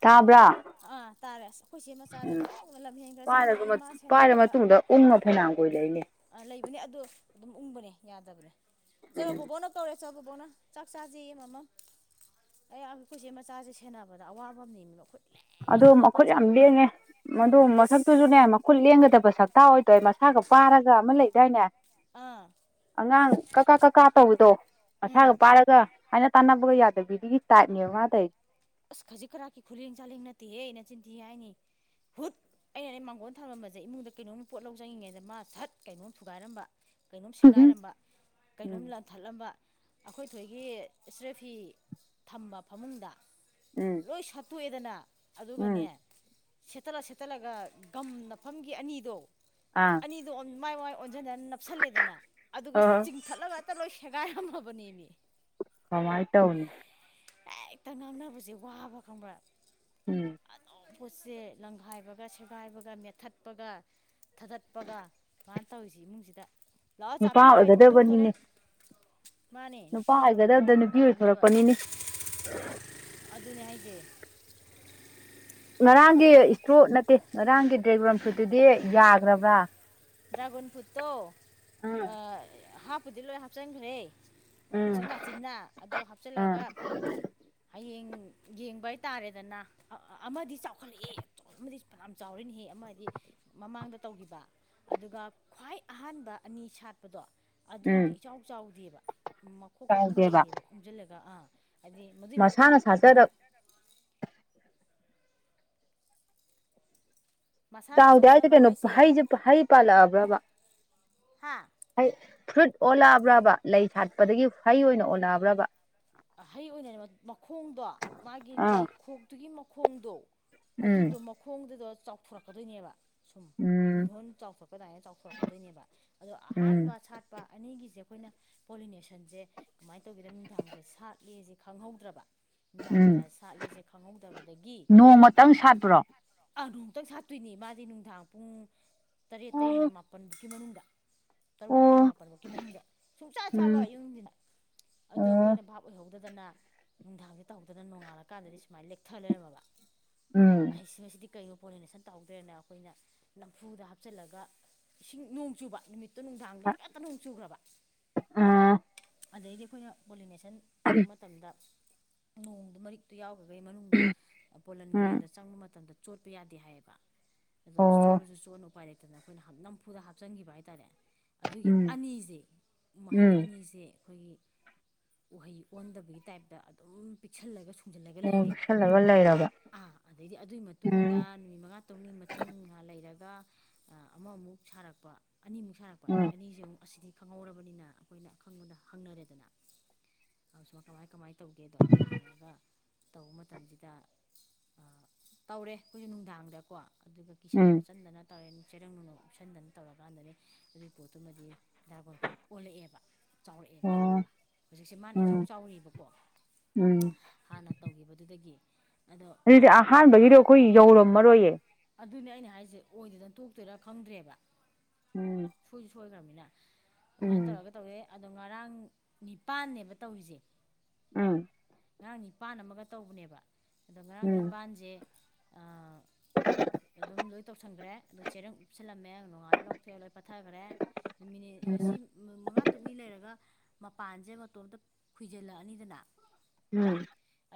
ꯇꯥꯕ꯭ꯔꯥ ꯑꯥ ꯇꯥꯔꯦ ꯑꯩꯈꯣꯏ ꯆꯦ ꯃꯆꯥꯁꯦ ꯎꯝ ꯑꫭꯟꯊꫭꯛꯅ ꯂꯝ ꯍꯦꯟꯈ꯭ꯔꯖꯥꯠꯅꯤ ꯑꯩ ꯄꯥꯏꯔꯒ ꯃꯥ ꯄꯥꯏꯔ ꯁꯦꯟꯅꯕꯗ ꯃꯇꯨꯡꯗ ꯎꯪꯉ ꯐꯅꯥꯝ ꯀꯨꯏ ꯂꯩꯅꯦ ꯑ ꯂꯩꯕꯅꯦ ꯑꯗꯨ ꯑꯗꯨꯝ ꯎꯪꯕꯅꯦ ꯌꯥꯗꯕꯅꯦ ꯆꯠꯂꯣ ꯎꯝ ꯕꯣꯕꯣꯅ ꯀꯧꯔꯦ ꯆꫭ ꯕꯕꯛꯅ ꯆꯥꯛ ꯆꯥꯁꯦꯌꯦ ꯃꯥꯝꯃꯥꯝ ꯑꯩ ꯑꯩꯈꯈꯣꯏꯆꯦ ꯃꯆꯥꯁꯦ ꯁꯦꯟꯅꯕꯗ ꯑꯋꯥꯕ ꯑꯃꯅꯦꯃꯤ ꯃꯈꯨꯠ ꯑꯗꯨ ꯃꯈꯨꯠ ꯌꯥꯝ ꯂꯦꯡꯉꯦ ꯃꯗꯨ ꯏꯁ ꯃꯊꯛꯇꯨꯁꯨ ꯅꯦ ꯃꯈꯨꯠ ꯂꯦꯡꯒꯗꯕ ꯁꯛꯇꯥꯛ ꯑꯣꯏꯇꯧꯏ ꯃꯁꯥꯒ ꯄꯥꯔꯒ ꯑꯃ ꯂꯩꯗꯥꯏꯅꯦ ꯑꯥ ꯑꯉꯥꯡ ꯀꯛꯀꯥ ꯀꯛꯀꯥ ꯇꯧꯕꯗꯣ ꯃꯁꯥꯒ ꯎꯝ ꯄꯥꯏꯔꯒ ꯍꯥꯏꯅ ꯇꯥꯟꯅꯕꯒ ꯌꯥꯗꯕꯤꯗꯒꯤ ꯇꯥꯛꯅꯤꯕ ꯃꯥ ꯇꯩ ꯑꯁ ꯈꯖꯤꯛ ꯈꯔꯥꯛꯀꯤ ꯈꯨꯂꯦꯡ ꯆꯥꯂꯦꯡ ꯅꯠꯇꯦꯍꯦꯅ ꯅꯆꯤꯟꯊꯤ ꯍꯥꯏꯅꯤ ꯍꯨꯠ ꯑꯩꯅꯅꯦ ꯃꯥꯡꯒꯣꯟ ꯊꯥꯔꯝꯕꯁꯦ ꯏꯃꯨꯡꯗ ꯀꯩꯅꯣꯝ ꯄꯣꯠ ꯂꯧ ꯆꯪꯉꯤꯉꯦꯗ ꯃꯥ ꯊꯠ ꯀꯩꯅꯣꯝ ꯊꯨꯒꯥꯏꯔꯝꯕ ꯀꯩꯅꯣꯝ ꯇꯧꯔꯤꯁꯦ ꯁꯦꯒꯥꯏꯔꯝꯕ ꯀꯩꯅꯣꯝ ꯎꯝ ꯂꯟ ꯊꯠꯂꯝꯕ ꯑꯩꯈꯣꯏꯊꯣꯏꯒꯤ ꯑꯦꯁꯇ꯭ꯔꯦ ꯐꯤ ꯊꯝꯕ ꯐꯃꯨꯡꯗ ꯎꯝ ꯂꯣꯏ ꯁꯠꯇꯣꯛꯑꯦꯗꯅ ꯎꯝ ꯑꯗꯨꯒꯅꯦ ꯁꯦꯠꯇꯠꯂ ꯁꯦꯠꯇꯠꯂꯒ ꯒꯝ ꯅꯐꯝꯒꯤ ꯑꯅꯤꯗꯣ ꯑꯥ ꯑꯅꯤꯗꯣ ꯃꯥꯏ ꯋꯥꯏ ꯑꯣꯟꯁꯤꯟꯗꯅ ꯅꯞꯁꯜꯂꯦꯗꯅ ꯑꯗꯨꯒ ꯑ ꯆꯤꯡꯊꯠꯂꯒ ꯍꯛꯇ ꯂꯣꯏ ꯁꯦꯒꯥꯏꯔꯝꯃꯕꯅꯦ ꯃꯤ ꯀꯃꯥꯏ ꯇꯧꯅꯤ ꯍꯦꯛꯇ ꯉꯥꯡꯅꯕꯁꯦ ꯋꯥꯕ ꯈꯪꯕ꯭ꯔꯥ ꯎꯝ ꯑꯗꯨꯝ ꯄꯣꯠꯁꯦ ꯂꯪꯈꯥꯏꯕꯒ ꯁꯦꯒꯥꯏꯕꯒ ꯃꯦꯠꯊꯠꯄꯒ ꯊꯥꯗꯠꯄꯒ ꯃꯥ ꯇꫭꯏꯁꯦ ꯏꯃꯨꯡꯁꯤꯗ ꯂꯥꯛꯑꯣ ꯅꯨꯄꯥ ꯆꯥꯄꯤꯒꯥꯏ ꯊꯧꯗꯣꯛꯇꯣꯔꯦ ꯑꯣꯏꯒꯗꯕꯅꯤꯅꯦ ꯃꯥꯅꯦ ꯅꯨꯄꯥ ꯑꯣꯏꯒꯗꯕꯗ ꯑꯣꯏꯔꯝꯒꯗꯕꯅꯦ ꯅꯨꯄꯤ ꯑꯣꯟꯅ ꯇꯩꯅꯕ ꯑꯣꯏꯊꯣꯔꯛꯄꯅꯤꯅꯦ ꯑꯗꯨꯅꯤ ꯍꯥꯏꯖꯦ [unintelligible] ꯉꯔꯥꯡꯒꯤ ꯏꯁꯇ꯭ꯔꯣꯠ ꯅꯠꯇꯦ ꯉꯔꯥꯡꯒꯤ ꯗ꯭ꯔꯥꯏꯕꯔꯝꯐꯠꯇꯨꯗꯤ ꯌꯥꯈ꯭ꯔꯕ꯭ꯔꯥ ꯗ꯭ꯔꯥꯒꯣꯟ ꯐ꯭ꯔꯨꯠꯇꯣ ꯑꯥ ꯍꯥꯞꯄꯨꯗꯤ ꯂꯣꯏ ꯍꯥꯞꯆꯤꯟꯈ꯭ꯔꯦ ꯎꯝ ꯎꯆꯤꯅꯥꯆꯤꯟꯅꯥ ꯑꯗꫭ ꯍꯥꯞꯆꯤꯜꯂꯒ ꯑꯥ ꯍꯌꯦꯡ ꯌꯦꯡꯕ ꯍꯥꯏꯇꯥꯔꯦꯗꯅ ꯑꯃꯗꯤ ꯆꯥꯎꯈꯠꯂꯛꯑꯦꯆ ꯑꯃꯗꯤ ꯐꯅ ꯆꯥꯎꯔꯅꯤꯍꯦ ꯑꯃꯗꯤ ꯃꯃꯥꯡꯗ ꯇꯧꯈꯤꯕ ꯑꯗꯨꯒ ꯈ꯭ꯋꯥꯏ ꯑꯍꯥꯟꯕ ꯑꯅꯤ ꯁꯥꯠꯄꯗꯣ ꯑꯗꯣꯝꯗꯤ ꯎꯝ ꯏꯆꯥꯎ ꯆꯥꯎꯗꯦꯕ ꯃꯈꯣꯛꯇꯣ ꯑꯗꯨꯝ ꯆꯥꯎꯗꯦꯕ ꯂꯩꯔꯕ ꯎꯝꯁꯤꯜꯂꯒ ꯑꯥ ꯍꯥꯏꯗꯤ ꯃꯏ ꯃꯁꯥꯅ ꯃꯇꯨꯡꯗ ꯇꯧꯕ ꯁꯥꯖꯔꯛ ꯃꯁꯥꯅ ꯆꯥꯎꯗꯦ ꯍꯥꯏꯁꯦ ꯁꯥꯆꯕ ꯀꯩꯅꯣ ꯍꯩꯁꯦ ꯍꯩ ꯄꯥꯜꯂꯛꯑꯕ꯭ꯔꯕ ꯍꯥ ꯍꯩ ꯐ꯭ꯔꯨꯏꯠ ꯑꯣꯜꯂꯛꯑꯕ꯭ꯔꯕ ꯂꯩ ꯁꯥꯠꯄꯗꯒꯤ ꯍꯩ ꯑꯣꯏꯅ ꯑꯣꯜꯂꯛꯑꯕ꯭ꯔꯕ ꯑꯍꯩ ꯑꯣꯏꯅꯔꯤꯕ ꯃꯈꯣꯡꯗꯣ ꯃꯥꯒꯤ ꯑꯥ ꯂꯩꯈꯣꯛꯇꯨꯒꯤ ꯃꯈꯣꯡꯗꯣ ꯎꯝ ꯑꯗꯨꯗꯣ ꯃꯈꯣꯡꯗꯨꯗꯣ ꯆꯥꯎꯊꯣꯔꯛꯀꯗꯣꯏꯅꯦꯕ ꯁꯨꯝ ꯎꯝ ꯄꯨꯡꯗꯣꯟ ꯆꯥꯎꯊꯣꯛꯔꯛꯄꯗꯥꯏꯅ ꯆꯥꯎꯊꯣꯔꯛꯀꯗꯣꯏꯅꯦꯕ ꯑꯗꯣ ꯎꯝ ꯑꯍꯥꯟꯕ ꯁꯥꯠ ꯄꯥ ꯑꯅꯤꯒꯤꯁꯦ ꯑꯩꯈꯣꯏꯅ ꯄꯣꯂꯤꯅꯦꯁꯟꯁꯦ ꯀꯃꯥꯏꯅ ꯇꯧꯒꯦꯗ ꯅꯨꯡꯗꯥꯡꯁꯦ ꯁꯥꯠꯂꯁꯦ ꯈꯪꯍꯧꯗ꯭ꯔꯕ ꯎꯝ ꯅꯨꯡꯗꯥꯡꯗ ꯁꯥꯠꯂꯦꯁꯦ ꯈꯪꯍꯧꯗꯕꯗꯒꯤ ꯅꯣꯡꯃꯇꯪ ꯑꯥ ꯁꯥꯠꯄ꯭ꯔꯣ ꯅꫭꯡꯇꯪ ꯁꯥꯠꯇꯣꯏꯅꯦ ꯃꯥꯗꯤ ꯅꯨꯡꯗꯥꯡ ꯄꯨꯡ ꯇꯔꯦꯠꯇꯩꯅ ꯑꯣ ꯃꯥꯄꯟ ꯀꯤ ꯃꯅꯨꯡꯗ ꯇꯔꯨꯛ ꯇꯩ ꯑꯣ ꯃꯥꯄꯜꯃꯨꯛꯀꯤ ꯃꯅꯨꯡꯗ ꯁꯨꯡꯁꯥꯠ ꯎꯝ ꯁꯥꯠꯂꯣꯏ ꯑꯌꯨꯛꯗꯤꯟꯗ ꯑꯗꯣ ꯑꯣ ꯑꯩꯈꯣꯏꯅ ꯚꯥꯞ ꯑꯣꯏꯍꯧꯗꯗꯅ ꯅꯨꯡꯗꯥꯡꯁꯦ ꯇꯧꯍꯧꯗꯅ ꯅꯣꯡꯉꯥꯜꯂꯀꯥꯟꯗꯗꯤ ꯁꯨꯃꯥꯏꯅ ꯂꯦꯛꯊ ꯂꯩꯔꯝꯃꯕ ꯎꯝ ꯁꯤ ꯃꯁꯤꯗꯤ ꯀꯩꯅꯣ ꯄꯣꯂꯤꯅꯦꯁꯟ ꯇꯧꯗ꯭ꯔꯦꯅ ꯑꯩꯈꯣꯏꯅ ꯅꯝꯐꯨꯗ ꯍꯥꯞꯆꯤꯜꯂꯒ ꯏꯁꯤꯡ ꯅꯣꯡ ꯆꯨꯕ ꯅꯨꯃꯤꯠ ꯇꯨ ꯅꯨꯡꯊꯥꯡꯗꯣ ꯑꯥ ꯇꯤꯡꯈꯠꯇ ꯅꯣꯡ ꯆꯨꯈ꯭ꯔꯕ ꯑꯗꯩꯗꯤ ꯑꯩꯈꯣꯏꯅ ꯄꯣꯂꯤꯅꯦꯁꯟ ꯇꯧꯕ ꯃꯇꯝꯗ ꯅꯣꯡꯗꯨ ꯃꯔꯤꯛ ꯇꯨ ꯌꯥꯎꯕꯈꯩ ꯃꯅꯨꯡꯗ ꯄꯣꯂꯟ ꯎꯝ ꯒ꯭ꯔꯦꯟꯗꫭ ꯆꯪꯕ ꯃꯇꯝꯗ ꯆꯣꯠꯄ ꯌꯥꯗꯦ ꯍꯥꯏꯌꯦꯕ ꯑꯗ ꯑꯣ ꯆꯣꯠꯂꯨꯁꯨ ꯆꯣꯠꯂꯨ ꯎꯄꯥꯏ ꯂꯩꯇꯅ ꯑꯩꯈꯣꯏꯅ ꯅꯝꯐꯨꯗ ꯍꯥꯞꯆꯤꯟꯈꯤꯕ ꯍꯥꯏꯇꯥꯔꯦ ꯑꯗꯨꯒꯤ ꯎꯝ ꯑꯅꯤꯁꯦ ꯃꯍꯩ ꯎꯝ ꯑꯅꯤꯁꯦ ꯑꯩꯈꯣꯏꯒꯤ ꯎꯍꯩ ꯄꯣꯟꯗꯕꯒꯤ ꯇꯥꯏꯞꯇ ꯑꯗꯨꯝ ꯄꯤꯛꯁꯜꯂꯒ ꯁ ꯊꯨꯝꯖꯤꯜꯂꯒ ꯂꯩꯔꯦꯕ ꯑꯣꯁꯜꯂꯒ ꯂꯩꯔꯕ ꯑꯥꯥ ꯑꯗꯩꯗꯤ ꯑꯗꯨꯒꯤ ꯃꯇꯨꯡꯗ ꯎꯝ ꯅꯨꯃꯤꯠ ꯃꯉꯥ ꯇꯧꯅꯤ ꯃꯇꯨꯡ ꯉꯥ ꯂꯩꯔꯒ ꯑꯃꯃꯨꯛ ꯁꯥꯔꯛꯄ ꯑꯅꯤꯃꯨꯛ ꯁꯥꯔꯛꯄ ꯄ ꯑꯗ ꯎꯝ ꯑꯅꯤꯁꯦ ꯑꯃꯨꯛ ꯑꯁꯤꯗꯤ ꯈꯪꯍꯧꯔꯕꯅꯤꯅ ꯑꯩꯈꯣꯏꯅ ꯑꯈꯪꯕꯗ ꯍꯪꯅꯔꯦꯗꯅ ꯁꯨꯃ ꯀꯃꯥꯏ ꯀꯃꯥꯏꯅ ꯇꯧꯒꯦꯗꯣ ꯑꯗꯣ ꯍꯪꯉꯒ ꯇꯧꯕ ꯃꯇꯝꯁꯤꯗ ꯇꯧꯔꯦ ꯑꯩꯈꯣꯏꯁꯨ ꯅꯨꯡꯗꯥꯡꯗꯀꯣ ꯑꯗꯨꯒ ꯀꯤꯁꯟ ꯎꯝ ꯈꯣꯠꯆꯟꯗꯅ ꯇꯧꯔꯦ ꯆꯦꯔꯪ ꯅꯨꯡꯅꯣꯛ ꯎꯞꯁꯟꯗꯅ ꯇꯧꯔꯀꯥꯟꯗꯅꯤ ꯑꯗꯨꯒꯤ ꯄꯣꯠꯇꯨꯃꯗꯤ ꯗ꯭ꯔꯥꯒꫭꯟ ꯐ꯭ꯔꯨꯠ ꯑꯣꯜꯂꯛꯑꯦꯕ ꯆꯥꯎꯔꯛꯑꯦꯕ ꯈꯔ ꯑꯣ ꯈꯔ ꯍꯧꯖꯤꯛꯁꯦ ꯃꯥꯅ ꯏꯆꯥꯎ ꯎꯝ ꯆꯥꯎꯔꯤꯕꯀꯣ ꯎꯝ ꯍꯥꯟꯅ ꯇꯧꯈꯤꯕꯗꯨꯗꯒꯤ ꯑꯗꯣ ꯑꯗꯨꯗꯤ ꯑꯍꯥꯟꯕꯒꯤꯗꯣ ꯑꯩꯈꯣꯏ ꯌꯧꯔꯝꯃꯔꯣꯏꯌꯦ ꯑꯗꯨꯅꯦ ꯑꯩꯅ ꯍꯥꯏꯁꯦ ꯑꯣꯏꯗꯣꯏꯗꯅ ꯇꯣꯛꯇꯣꯏꯔꯥ ꯈꯪꯗ꯭ꯔꯦꯕ ꯎꯝ ꯁꯣꯏꯁꯨ ꯁꯣꯏꯈ꯭ꯔꯕꯅꯤꯅ ꯑꯗꯨꯃꯥꯏꯅ ꯎꯝ ꯇꯧꯔꯒ ꯇꯧꯋꯦ ꯑꯗꯣ ꯉꯔꯥꯡ ꯅꯤꯄꯥꯟꯅꯦꯕ ꯇꯧꯔꯤꯁꯦ ꯎꯝ ꯉꯔꯥꯡ ꯅꯤꯄꯥꯟ ꯑꯃꯒ ꯇꯧꯕꯅꯦꯕ ꯑꯗꯣ ꯉꯔꯥꯡ ꯎꯝ ꯅꯤꯄꯜꯁꯦ [inaudible] ꯑꯗꯨꯝ ꯂꯣꯏ ꯇꯧꯁꯟꯈ꯭ꯔꯦ ꯑꯗꯨ ꯆꯦꯔꯪ ꯎꯞꯁꯜꯂꯝꯃꯦ ꯅꯣꯡꯉꯥꯂ ꯂꯧꯊꯣꯛꯑ ꯂꯣꯏ ꯄꯠꯊꯈ꯭ꯔꯦ ꯆꯃꯤꯅꯦ ꯑꯁꯤ ꯑꯁꯤ ꯎꯝ ꯃꯉꯥ ꯇꯔꯨꯛꯅꯤ ꯂꯩꯔꯒ ꯃꯄꯥꯟꯁꯦ ꯃꯇꯣꯝꯇ ꯈꯨꯏꯖꯜꯂꯛꯑꯅꯤꯗꯅ ꯎꯝ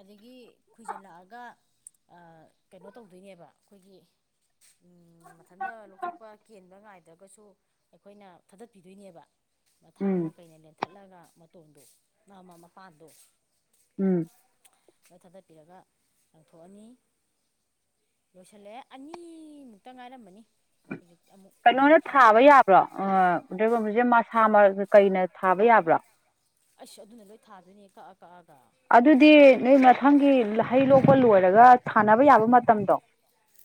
ꯑꯗꯒꯤ ꯈꯣꯏꯖꯤꯜꯂꯛꯑꯒ ꯀꯩꯅꯣ ꯇꯧꯗꯣꯏꯅꯦꯕ ꯑꯩꯈꯣꯏꯒꯤ ꯃꯊꯟꯇ ꯂꯧꯊꯣꯛꯄ ꯀꯦꯟꯕ ꯉꯥꯏꯗ꯭ꯔꯒꯁꯨ ꯑꯩꯈꯣꯏꯅ ꯊꯥꯗꯠꯄꯤꯗꯣꯏꯅꯦꯕ ꯃꯊꯥꯡꯅ ꯎꯝ ꯀꯩꯅ ꯂꯦꯟ ꯊꯠꯂꯒ ꯃꯇꯣꯟꯗꯣ ꯃꯥꯃ ꯃꯄꯥꯟꯗꯣ ꯎꯝ ꯂꯣꯏ ꯊꯥꯗꯠꯄꯤꯔꯒ ꯂꯪꯊꯣꯛꯑꯅꯤ ꯂꯣꯏꯁꯤꯜꯂꯛꯑꯦ ꯑꯅꯤꯃꯨꯛꯇ ꯉꯥꯏꯔꯃꯅꯤ ꯍꯧꯖꯤꯛ ꯑꯃꯨꯛ ꯍꯥꯞꯀꯗꯕꯁꯦ ꯗ꯭ꯔꯒꯕꯤꯁꯦ ꯃꯁꯥ ꯀꯩꯅ ꯊꯥꯕ ꯌꯥꯕ꯭ꯔꯥ ꯑꯩꯁ ꯑꯗꯨꯅ ꯂꯣꯏ ꯊꯥꯗꯣꯏꯅꯦ ꯀꯛꯑ ꯀꯛꯑꯒ ꯑꯗꯨꯗꯤ ꯅꯣꯏ ꯃꯊꯪꯒꯤ ꯍꯩ ꯂꯣꯛꯄ ꯂꯣꯏꯔꯒ ꯁꯥꯟꯅꯕ ꯌꯥꯕ ꯃꯇꯝꯗꯣ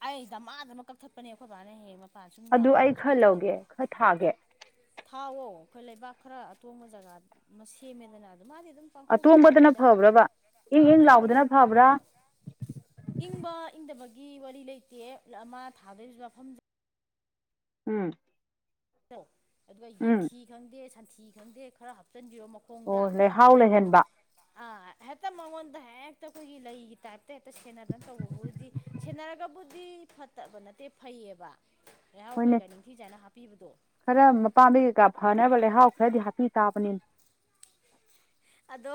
ꯑꯩ ꯗꯃꯥꯗ ꯑꯃ ꯀꯛꯊꯠꯄꯅꯦ ꯑꯩꯈꯣꯏ ꯕꯥꯅ ꯍꯦꯛꯡ ꯃꯄꯥꯟ ꯁꯨꯝ ꯑꯗꯨ ꯑꯩ ꯌꯥꯝꯈꯠꯂꯛꯑꯁꯨ ꯈꯔ ꯀꯛꯊꯠꯂꯦꯕ ꯂꯧꯒꯦ ꯈꯔ ꯊꯥꯒꯦ ꯊꯥꯎꯋꯣ ꯑꯩꯈꯣꯏ ꯂꯩꯕꯥꯛ ꯈꯔ ꯑꯇꯣꯡꯕ ꯖꯒꯥ ꯑꯃ ꯁꯦꯝꯃꯦꯗꯅ ꯑꯗꯨ ꯃꯥꯗꯤ ꯑꯗꯨꯝ ꯄꯪꯍꯧꯗ ꯑꯇꯣꯡꯕꯗꯅ ꯍꯧꯕꯅꯤꯗ ꯐꯕ꯭ꯔꯕ ꯏꯪ ꯑꯥ ꯏꯪ ꯑꯇꯣꯡꯕꯅ ꯂꯥꯎꯕꯗꯅ ꯐꯕ꯭ꯔꯥ ꯏꯪꯕ ꯏꯪꯗꯕꯒꯤ ꯋꯥꯔꯤ ꯂꯩꯇꯦ ꯑꯃ ꯊꯥꯗꯣꯏ ꯃꯐꯝ ꯎꯝ ꯑꯗꯨꯒ ꯎꯝ ꯌꯦꯟꯊꯤ ꯈꯪꯗꯦ ꯁꯟꯊꯤ ꯈꯪꯗꯦ ꯈꯔ ꯍꯥꯞꯆꯤꯟꯕꯤꯔꯣ ꯃꯈ ꯑꯣ ꯈꯣꯡꯗ ꯂꯩꯍꯥꯎ ꯂꯩꯍꯟꯕ ꯑ ꯍꯦꯛꯇ ꯃꯉꯣꯟꯗ ꯍꯦꯛꯇ ꯑꯩꯈꯣꯏꯒꯤ ꯂꯩꯒꯤ ꯇꯥꯏꯞꯇ ꯍꯦꯛꯇ ꯁꯦꯟꯅꯔꯅ ꯇꯧꯕꯕꯨꯗꯤ ꯁꯦꯟꯅꯔꯒꯕꯨꯗꯤ ꯐꯠꯇꯕ ꯅꯠꯇꯦ ꯐꯩꯌꯦꯕ ꯂꯩꯍꯥꯎ ꯍꯣꯏꯅꯦ ꯀꯩꯀꯥ ꯅꯤꯡꯊꯤꯖꯥꯏꯅ ꯍꯥꯞꯄꯤꯕꯗꯣ ꯈꯔ ꯃꯄꯥꯝꯝꯕꯩ ꯀꯩꯀꯥ ꯐꯅꯕ ꯂꯩꯍꯥꯎ ꯈꯔꯗꯤ ꯍꯥꯞꯄꯤ ꯇꯥꯕꯅꯤ ꯑꯗꯣ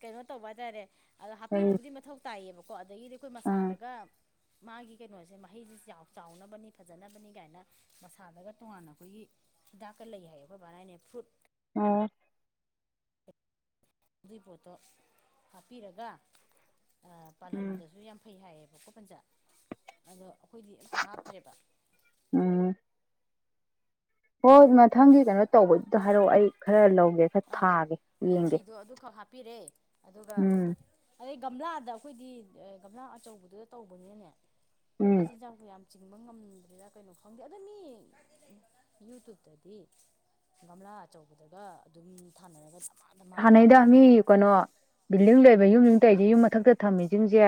ꯀꯩꯅꯣ ꯇꯧꯕ ꯍꯥꯏꯇꯥꯔꯦ ꯑꯗꯣ ꯎꯝ ꯍꯥꯞꯄꯤꯕꯕꯨꯗꯤ ꯃꯊꯧ ꯇꯥꯏꯌꯦꯕꯀꯣ ꯀꯣ ꯑꯗꯒꯤꯗꯤ ꯑꯩꯈꯣꯏ ꯃꯁꯥꯗꯒ ꯃꯥꯒꯤ ꯀꯩꯅꯣꯁꯦ ꯃꯍꯩꯁꯦ ꯆꯥꯎꯅꯕꯅꯤ ꯐꯖꯅꯕꯅꯤ ꯀꯥꯏꯅ ꯃꯁꯥꯗꯒ ꯇꯣꯉꯥꯟꯅ ꯑꯩꯈꯣꯏꯒꯤ ꯍꯤꯗꯥꯛꯀ ꯂꯩ ꯍꯥꯏꯌꯦ ꯑꯩꯈꯣꯏꯕꯥꯅꯏꯅꯦ ꯐ꯭ꯔꯨꯠ ꯑꯣ ꯑꯗꯨꯏ ꯄꯣꯠꯇꯣ ꯍꯥꯞꯄꯤꯔꯒ ꯎꯝ ꯄꯥꯜꯍꯟꯗꯁꯨ ꯌꯥꯝ ꯐꯩ ꯍꯥꯏꯌꯦꯕꯀꯣ ꯄꯟꯖꯥ ꯑꯗꯣ ꯑꯩꯈꯣꯏꯗꯤ ꯑꯝꯇ ꯍꯥꯞꯇ꯭ꯔꯦꯕ ꯎꯝ ꯍꯣꯏ ꯌꯣ ꯃꯊꯪꯒꯤ ꯀꯩꯅꯣ ꯇꯧꯕꯗꯨꯗ ꯍꯥꯏꯔꯛꯑꯣ ꯑꯩ ꯈꯔ ꯂꯧꯒꯦ꯫ ꯈꯔ ꯑꯥ ꯊꯥꯒꯦ ꯌꯦꯡꯒꯦ ꯌꯦꯟꯊꯤꯗꯣ ꯑꯗꯨꯈꯛ ꯍꯥꯞꯄꯤꯔꯦ ꯑꯗꯨꯒ ꯎꯝ ꯑꯗꯩ ꯒꯝꯂꯥꯗ ꯑꯩꯈꯣꯏꯗꯤ ꯒꯝꯂꯥ ꯑꯆꯧꯕꯗꯨꯗ ꯇꯧꯕꯅꯤꯅꯅꯦ ꯎꯝ ꯃꯆꯤꯟꯖꯥꯛꯁꯨ ꯌꯥꯝ ꯆꯤꯡꯕ ꯉꯝꯗ꯭ꯔꯦꯗ ꯀꯩꯅꯣ ꯈꯪꯗꯦ ꯑꯗ ꯃꯤ ꯌꯨꯇꯕꯇꯗꯤ ꯒꯝꯂꯥ ꯑꯆꯧꯕꯗꯒ ꯑꯗꯨꯝ ꯊꯥꯅꯔꯒ ꯙꯃꯥ ꯙꯃꯥ ꯄꯥꯜꯂꯤ ꯍꯥꯟꯅꯩꯗ ꯃꯤ ꯀꯩꯅꯣ ꯕꯤꯜꯗꯤꯡ ꯂꯩꯕ ꯌꯨꯝ ꯌꯨꯝꯇꯩꯗꯤ ꯌꯨꯝ ꯃꯊꯛꯇ ꯊꯝꯃꯤꯁꯤꯡꯁꯦ꯫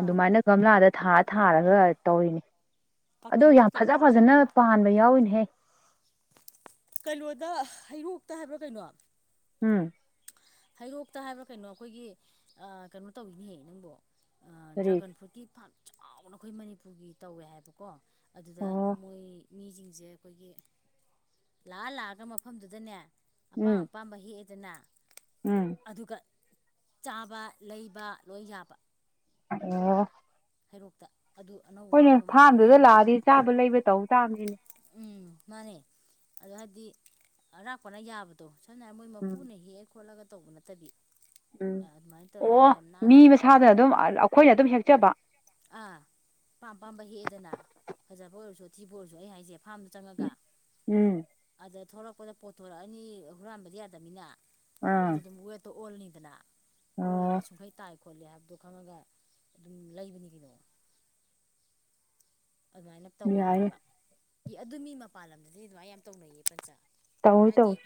ꯑꯥ ꯑꯗꯨꯃꯥꯏꯅ ꯒꯝꯂꯥꯗ ꯊꯥ ꯊꯥꯔꯒ ꯇꯧꯔꯤꯅꯤ꯫ ꯑꯗꯣ ꯀꯥꯔꯇꯨꯟ ꯌꯥꯝ ꯕꯣꯛꯁꯇꯒ ꯐꯖ ꯍꯥꯞꯇ꯭ꯔꯥ ꯐꯖꯅ ꯄꯥꯟꯕ ꯌꯥꯎꯋꯅꯦꯍꯦ ꯀꯩꯅꯣꯗ ꯍꯩꯔꯣꯛꯇ ꯍꯥꯏꯕ꯭ꯔꯥ ꯀꯩꯅꯣ ꯎꯝ ꯍꯩꯔꯣꯛꯇ ꯍꯥꯏꯕ꯭ꯔꯥ ꯀꯩꯅꯣ ꯑꯩꯈꯣꯏꯒꯤ ꯀꯩꯅꯣ ꯇꯧꯔꯤꯅꯦꯍꯦ ꯅꯪꯕꫭ ꯀꯔꯤ ꯗ꯭ꯔꯥꯒꯟ ꯐ꯭ꯔꯨꯠꯀꯤ ꯐꯥꯝ ꯆꯥꯎꯅ ꯑꯩꯈꯣꯏ ꯃꯅꯤꯄꯨꯔꯒꯤ ꯇꯧꯋꯦ ꯍꯥꯏꯕꯀꯣ ꯑꯗꯨꯗ ꯑꯣ ꯃꯣꯏ ꯃꯤꯁꯤꯡꯁꯦ ꯑꯩꯈꯣꯏꯒꯤ ꯂꯥꯛꯑ ꯂꯥꯛꯑꯒ ꯃꯐꯝꯗꯨꯗꯅꯦ ꯑꯄꯥꯝ ꯎꯝ ꯑꯄꯥꯝꯕ ꯍꯦꯛꯑꯦꯗꯅ ꯎꯝ ꯑꯗꯨꯒ ꯆꯥꯕ ꯂꯩꯕ ꯂꯣꯏ ꯌꯥꯕ ꯑꯣ ꯍꯩꯔꯣꯛꯇ ꯑꯗꯨ ꯑꯅꯧꯕ ꯑꯩꯈꯣꯏꯅꯦ ꯃꯐꯝ ꯑꯃ ꯀꯟꯅ ꯐꯥꯝꯗꯨꯗ ꯍꯥꯡꯉꯦ ꯂꯥꯛꯑꯗꯤ ꯆꯥꯕ ꯂꯩꯕ ꯇꯧ ꯇꯥꯕꯅꯤꯅꯦ꯫ ꯎꯝ ꯃꯥꯅꯦ ꯑꯗꯣ ꯍꯥꯏꯗꯤ ꯑꯔꯥꯛꯞꯄꯅ ꯌꯥꯕ ꯑꯣ ꯁꯝꯅ ꯍꯥꯏꯔꯕ ꯃꯣꯏ ꯎꯝ ꯃꯄꯨꯅ ꯍꯦꯛꯑ ꯈꯣꯠꯂꯒ ꯇꯧꯕ ꯅꯠꯇꯗꯤ꯫ ꯑꯗꯨꯃꯥꯏꯅ ꯇꯧꯔꯒ ꯌꯥꯝ ꯅꯥꯟꯅ ꯊꯥꯗꯅ ꯑꯗꯨꯝ ꯑꯩꯈꯣꯏꯅ ꯑꯗꯨꯝ ꯍꯦꯛꯆꯕ ꯑꯥ ꯑꯄꯥꯝ ꯑꯄꯥꯝꯕ ꯍꯦꯛ ꯑꯦꯗꯅ ꯐꯖꯕ ꯑꯣꯏꯔꯁꯨ ꯊꯤꯕ ꯑꯣꯏꯔꯁꯨ ꯑꯩ ꯍꯥꯏꯖꯦ ꯐꯥꯝꯗ ꯆꯪꯉꯒ ꯎꯝ ꯑꯗ ꯊꯣꯔꯛꯄꯗ ꯄꯣꯠꯊꯣꯔꯛꯑꯅꯤ ꯍꯨꯔꯥꯟꯕꯗꯤ ꯌꯥꯗꯝꯅꯤꯅ ꯑꯗꯨ ꯑꯥ ꯑꯗꯨꯝ ꯋꯦꯠꯇꯣ ꯑꯣꯜꯂꯅꯤꯗꯅ ꯑꯣꯜꯂꯒ ꯑꯣ ꯁꯨꯛ ꯈꯩ ꯇꯥꯏ ꯈꯣꯠꯂꯦ ꯍꯥꯏꯕꯗꯣ ꯈꯪꯉꯒ ꯑꯗꯨꯝ ꯂꯩꯕꯅꯤ ꯀꯩꯅꯣ ꯑꯗꯨꯃꯥꯏꯅ ꯇꯧꯋꯦ ꯌꯥꯏꯌꯦ ꯍꯥꯏꯌꯦꯕ ꯒꯤ ꯑꯗꯣ ꯃꯤ ꯃꯄꯥꯟ ꯂꯝꯗꯗꯤ ꯑꯗꯨꯃꯥꯏ ꯌꯥꯝ ꯇꯧꯅꯩꯌꯦ ꯄ꯭ꯔꯦꯝꯆꯥ ꯇꯧꯏ ꯍꯥꯏꯗꯤ ꯇꯧꯏ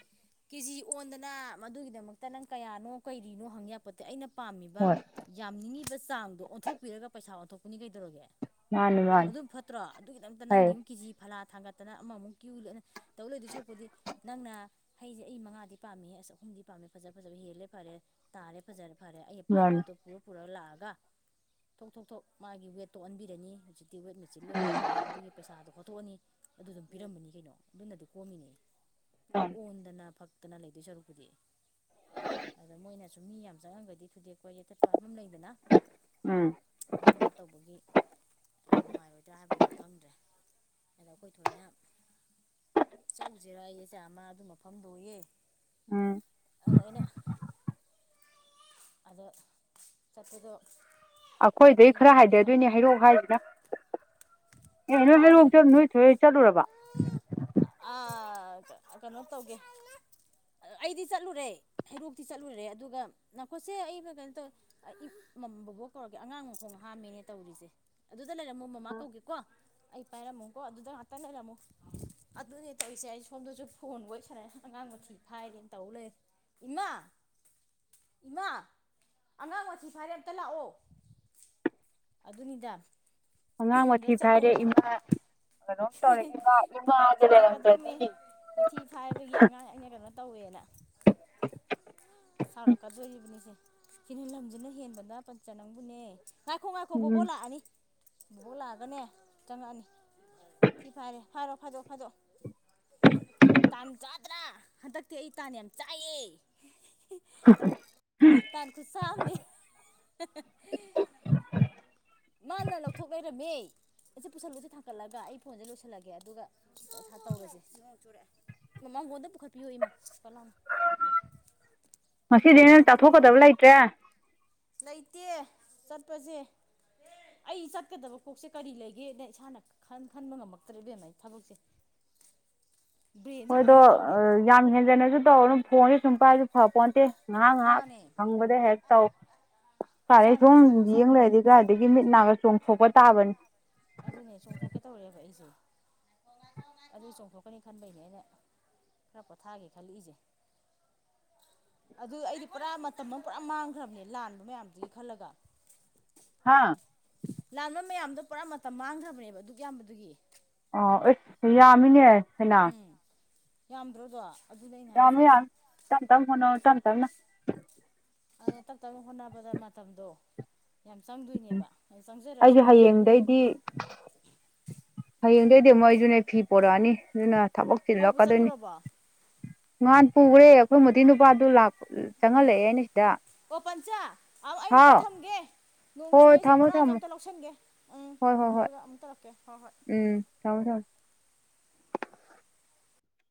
ꯀꯦꯖꯤ ꯑꯣꯟꯗꯅ ꯃꯗꯨꯒꯤꯗꯃꯛꯇ ꯅꯪ ꯀꯌꯥꯅꯣ ꯀꯩꯔꯤꯅꯣ ꯍꯪꯉ ꯄꯣꯠꯇꯤ ꯑꯩꯅ ꯄꯥꯝꯃꯤꯕ ꯍꯣꯏ ꯌꯥꯝꯅꯤꯡꯉꯦꯕ ꯆꯥꯡꯗꯣ ꯑꯣꯟꯊꯣꯛꯄꯤꯔꯒ ꯄꯩꯁꯥ ꯑꯣꯟꯊꯣꯛꯄꯅꯤ ꯀꯩꯗꯧꯔꯒꯦ ꯃꯥꯅꯤ ꯃꯥꯅꯤ ꯑꯗꯨꯅ ꯐꯠꯇ꯭ꯔꯣ ꯑꯗꯨꯒꯤ ꯗꯃꯛꯇ ꯅꯪꯒꯤ ꯐꯩ ꯑꯃꯨꯛ ꯀꯦꯖꯤ ꯐꯥꯂ ꯊꯪꯉꯠꯇꯅ ꯑꯃꯨꯛ ꯀ꯭ꯌꯨ ꯂꯦꯞꯅ ꯇꯧ ꯂꯩꯗꯧ ꯁꯔꯨꯛ ꯄꯨꯗꯤ ꯅꯪꯅ ꯍꯩꯖꯦ ꯑꯩ ꯃꯉꯥꯗꯤ ꯄꯥꯝꯃꯦꯍꯦ ꯑꯁ ꯑꯍꯨꯝꯗꯤ ꯄꯥꯝꯃꯦ ꯐꯖ ꯐꯖꯕ ꯍꯦꯜꯂꯦ ꯐꯔꯦ꯫ ꯇꯥꯔꯦ ꯐꯖꯔꯦ ꯐꯔꯦ ꯑꯩ ꯄꯥꯏꯔꯦ ꯃꯥꯅꯤ ꯄꯣꯠꯇꯣ ꯄꯨꯔꯣ꯫ ꯄꯨꯔꯥ ꯂꯥꯛꯑꯒ ꯊꯣꯛ ꯊꯣꯛ ꯊꯣꯛ ꯃꯥꯒꯤ ꯋꯦꯠꯇꯣ ꯑꯣꯟꯕꯤꯔꯅꯤ ꯍꯧꯖꯤꯛ꯫ ꯇꯤꯌꯕꯋꯦꯠ ꯃꯦꯠꯁ ꯂꯣꯏ ꯂꯩꯔꯕꯃꯤꯅ ꯑꯗꯨꯒꯤ ꯄꯩꯁꯥꯗꯣ ꯈꯣꯠꯇꯣꯛꯑꯅꯤ ꯑꯗꯨꯝ ꯄꯤꯔꯝꯕꯅꯤ ꯀꯩꯅꯣ ꯑꯗꯨꯅꯗꯤ ꯀꯣꯝꯃꯤꯅꯦ꯫ [unintelligible] ꯑꯣꯟꯗꯅ ꯐꯛꯇꯅ ꯂꯩꯗꯣꯏ ꯁꯔꯨꯛ ꯄꯨꯗꯤ ꯑꯗ ꯃꯣꯏꯅꯁꯨ ꯃꯤ ꯌꯥꯝ ꯆꯪꯉꯟꯕꯗꯤ ꯊꯨꯗꯦꯛꯄ ꯌꯩꯊꯠꯄ ꯍꯥꯏꯕ ꯑꯃ ꯂꯩꯗꯅ ꯎꯝ ꯑꯗꯨꯝꯕ ꯇꯧꯕꯒꯤ꯫ ꯌꯥꯝ ꯅꯨꯡꯉꯥꯏꯔꯣꯏꯗ꯭ꯔꯥ ꯍꯥꯏꯕꯗꯤ ꯈꯪꯗ꯭ꯔꯦ ꯑꯗ ꯑꯩꯈꯣꯏ ꯊꯣꯏꯅ ꯆꯠꯂꯨꯁꯤꯦꯔ ꯑꯩ ꯆꯥ ꯑꯃ ꯑꯗꯨ ꯃꯐꯝꯗ ꯊꯣꯛꯑꯦ꯫ ꯎꯝ ꯑꯗ ꯑꯩꯅ ꯑꯗ ꯆꯠꯄꯗꯣ ꯑꯩꯈꯣꯏ ꯗꯩ ꯑꯩꯗꯣ ꯈꯔ ꯍꯪꯒꯦ ꯇꯧ ꯍꯥꯏꯗꯗꯣꯏꯅꯦ ꯍꯩꯔꯣꯛ ꯍꯥꯏꯖꯤꯅꯥ ꯑꯦ ꯅꯣꯏ ꯂꯣꯏꯣꯛ ꯅꯣꯏ ꯊꯣꯏ ꯆꯠꯂꯨꯔꯕ ꯑꯥ ꯀ_ ꯀꯩꯅꯣ ꯇꯧꯒꯦ꯫ ꯑꯩꯗꯤ ꯆꯠꯂꯨꯔꯦ ꯍꯩꯔꯣꯛꯇꯤ ꯆꯠꯂꯨꯔꯦ ꯑꯗꯨꯒ ꯅꯥꯈꯣꯠꯁꯦ ꯑꯩꯅ ꯀꯩꯅꯣ ꯇꯧꯋꯦ ꯑꯩꯌꯦ ꯃꯝ ꯕꯣꯕꯣꯛ ꯀꯧꯔꯛꯀꯦ ꯑꯉꯥꯡ ꯃꯈꯣꯡ ꯍꯥꯝꯃꯦꯅꯦ ꯇꯧꯔꯤꯁꯦ ꯑꯗꯨꯗ ꯂꯩꯔꯝꯃꯣ ꯃꯃꯥ ꯀꯧꯒꯦꯀꯣ꯫ ꯑꯩ ꯄꯥꯏꯔꯝꯃꯨꯀꯣ ꯑꯗꯨꯗ ꯉꯥꯛꯇ ꯂꯩꯔꯝꯃꯣ ꯑꯗꯨꯅꯦ ꯇꯧꯔꯤꯁꯦ ꯑꯩ ꯁꯣꯝꯗꯁꯨ ꯐꯣꯟ ꯋꯥꯔꯤ ꯁꯅꯔꯦ ꯑꯉꯥꯡ ꯃꯊꯤ ꯐꯥꯏꯔꯦꯅ ꯇꯧ ꯂꯩꯔꯦ꯫ ꯏꯃꯥ ꯏꯃꯥ ꯑꯉꯥꯡ ꯃꯊ ꯐꯔꯦ ꯑꯝꯇ ꯂꯥꯛꯑꯣ ꯑꯗꯨꯅꯤꯗ꯫ ꯑꯉꯥꯡ ꯃꯊꯤ ꯂꯣꯏ ꯐꯥꯏꯔꯦ ꯆꯠꯇꯣꯏ ꯏꯃꯥ ꯀꯩꯅꯣꯝ ꯇꯧꯔꯦ ꯏꯃꯥ ꯏꯃꯥ ꯍꯥꯏꯖꯦ ꯁꯥꯎꯔꯛꯀꯗꯣꯏꯃꯤ ꯂꯩꯔꯝꯗ꯭ꯔꯗꯤ꯫ ꯃꯊꯤ ꯐꯥꯏꯕꯒꯤ ꯑꯉꯥꯡ ꯑꯩꯅ ꯀꯩꯅꯣ ꯇꯧꯋꯦꯅ꯫ ꯁꯥꯎꯔꯛꯀꯗꯣꯔꯤꯕꯅꯤꯁꯦ ꯁꯤꯅ ꯂꯝꯁꯤꯅ ꯍꯦꯟꯕꯗ ꯄꯟꯆꯥ ꯅꯪꯕꯨꯅꯦ ꯉꯥꯏꯈꯣ ꯉꯥꯏꯈꯣ ꯕꯣꯕꯣꯛ ꯎꯝ ꯂꯥꯛꯑꯅꯤ꯫ ꯕꯨꯕꯣꯛ ꯂꯥꯛꯑꯒ ꯅꯦ ꯆꯪꯉꯛꯑꯅꯤ ꯊꯤ ꯐꯥꯏꯔꯦ ꯐꯥꯏꯔꯣ ꯐꯥꯏꯗꯣꯛꯑꯣ ꯐꯥꯏꯗꯣꯛꯑꯣ꯫ ꯇꯥꯟ ꯆꯥꯗ꯭ꯔꯥ ꯍꯟꯗꯛꯇꯤ ꯑꯩ ꯇꯥꯟ ꯌꯥꯝ ꯆꯥꯏꯌꯦ꯫ [unintelligible] ꯇꯥꯟꯈꯨꯆꯥ ꯑꯝꯅꯤ꯫ ꯃꯥꯅ ꯂꯧꯊꯣꯛ ꯂꯩꯔꯝꯃꯦ꯫ ꯑꯩꯁꯦ ꯄꯨꯁꯜꯂꯨꯁꯦ ꯊꯥꯡꯀꯠꯂꯒ ꯑꯩ ꯐꯣꯟꯁꯦ ꯂꯣꯏꯁꯤꯜꯂꯒꯦ ꯑꯗꯨꯒ ꯇꯧꯔꯁꯦ ꯃꯥꯡꯒꯣꯟꯗ ꯄꯨꯈꯠꯄꯤꯌꯣ ꯏꯃꯥ ꯐꯠ ꯂꯥꯑꯣꯅ꯫ ꯉꯁꯤꯗꯤ ꯑꯩꯅ ꯑꯗꯨꯅꯦ ꯆꯥꯊꯣꯛꯀꯗꯕ ꯂꯩꯇ꯭ꯔꯦ꯫ ꯂꯩꯇꯦ ꯆꯠꯄꯖꯦ꯫ ꯑꯩ ꯆꯠꯀꯗꯕ ꯀꯣꯛꯁꯦ ꯀꯔꯤ ꯂꯩꯒꯦꯅ ꯅ ꯏꯁꯥꯅ ꯈꯟ ꯈꯟꯕ ꯉꯝꯃꯛꯇ꯭ꯔꯦ ꯏꯕꯦꯝ ꯑꯩ ꯊꯕꯛꯁꯦ꯫ [inaudible] ꯍꯣꯏꯗꯣ ꯀꯩꯅꯣꯝ ꯇꯧꯔꯦꯕ ꯌꯥꯝ ꯍꯦꯟꯖꯟꯅꯁꯨ ꯇꯧꯔ ꯑꯗꯨꯝ ꯐꯣꯟꯁꯦ ꯁꯨꯡ ꯀꯥꯏꯁꯨ ꯐꯄꯣꯟꯠꯇꯦ ꯉꯥꯍꯛ ꯉꯥꯍꯛ ꯃꯥꯅꯦ ꯐꯪꯕꯗ ꯍꯦꯛ ꯇꯧ ꯐꯔꯦ ꯍꯛꯆꯥꯡꯁꯦ ꯁꯨꯝ ꯁꯣ ꯍꯛꯆꯥꯡ ꯌꯦꯡ ꯂꯩꯔꯥꯗꯤ__ ꯑꯗꯨꯖꯥꯗꯒꯤ ꯃꯤꯠ ꯅꯥꯒ ꯆꯣꯡꯊꯣꯛꯄ ꯇꯥꯕꯅꯤ ꯑꯗꯨꯅꯦ ꯆꯣꯡꯊꯣꯛꯀꯦ ꯇꯧꯔꯛꯑꯦꯕ ꯑꯩꯁꯦ꯫ ꯑꯗꯨ ꯆꯣꯡꯊꯣꯀꯅꯤ ꯈꯟꯕꯩꯅꯦ ꯑꯩꯅ ꯈꯔ ꯄꯣꯊꯥꯒꯦ ꯈꯟꯂꯛꯏꯖꯦ꯫ ꯑꯗꯨ ꯑꯩꯗꯤ ꯄꯨꯔꯥ ꯃꯇꯝ ꯑꯃ ꯄꯨꯔꯥ ꯃꯥꯡꯈ꯭ꯔꯕꯅꯦ ꯂꯥꯟꯕ ꯃꯌꯥꯝꯗꯨꯒꯤ ꯈꯜꯂꯒ ꯍꯥꯥ__ ꯂꯥꯟꯕ ꯃꯌꯥꯝꯗꯣ ꯄꯨꯔꯥ ꯃꯇꯝ ꯃꯥꯡꯈ꯭ꯔꯕꯅꯦꯕ ꯑꯗꯨꯛ ꯌꯥꯝꯕꯗꯨꯒꯤ꯫ ꯑꯥ ꯎꯠ ꯌꯥꯝꯃꯦꯅꯦ ꯐꯅ꯭ꯌꯥꯝ꯫ ꯎꯝ ꯌꯥꯝꯗ꯭ꯔꯣꯗꯣ꯫ ꯑꯗꯨꯅꯦ ꯑꯩꯅ ꯌꯥꯔꯅꯤ ꯍꯥꯏꯁꯦ ꯌꯥꯔꯅꯤ ꯇꯞꯇꯞꯅ ꯍꯣꯠꯅꯔꯣ ꯇꯞꯇꯞ ꯅ꯫ ꯑꯗ ꯇꯞꯇꯞꯅ ꯍꯣꯠꯅꯕꯗ ꯃꯇꯝꯗꯣ__ ꯌꯥꯝ ꯆꯪꯗꯣꯏꯅꯦꯕ [unintelligible] ꯑꯩꯁꯨ ꯆꯪꯖꯔꯁꯥꯅꯨ ꯑꯩꯅ ꯈꯜꯂꯤꯁꯦ꯫ ꯍꯌꯦꯡꯗꯗꯤ ꯑꯩꯁꯨꯅꯦ ꯐꯤ ꯄꯣꯔꯛꯑꯅꯤ ꯑꯗꯨꯅ ꯊꯕꯛ ꯍꯧꯕ ꯆꯤꯟꯂꯛꯀꯗꯣꯏꯅꯤ ꯆꯠꯂꯨꯔꯕꯣ ꯅꯍꯥꯟ ꯄꯨꯒ꯭ꯔꯦ ꯑꯩꯈꯣꯏ ꯃꯨꯊꯤ ꯅꯨꯄꯥꯗꯨ ꯂꯥꯛ [unintelligible] ꯆꯪꯉꯟꯂꯛꯑꯦꯅꯦ ꯁꯤꯗ꯫ ꯑꯣ ꯄꯟꯆꯥ ꯑ ꯑꯌꯨꯛꯇ ꯍꯥꯎ ꯊꯝꯒꯦ ꯅꯣꯡ ꯍꯣꯏ ꯆꯨꯌꯦꯁꯦ ꯊꯝꯃꯣ ꯕꯣꯔꯥꯖꯤ ꯊꯝꯃꯣ ꯑꯝꯇ ꯂꯧꯁꯤꯡꯒꯦ ꯎꯝ ꯍꯣꯏ ꯍꯣꯏ ꯍꯣꯏ ꯑꯗꯨꯒ ꯑꯃꯨꯛ ꯇꯧꯔꯛꯀꯦ ꯍꯣꯏ ꯍꯣꯏ꯫ ꯎꯝ ꯊꯝ ꯊꯝ